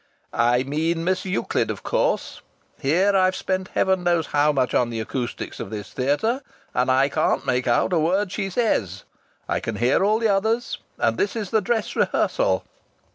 "I mean Miss Euclid of course. Here I've spent heaven knows how much on the acoustics of this theatre, and I can't make out a word she says. I can hear all the others. And this is the dress rehearsal!"